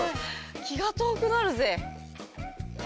気が遠くなるぜ。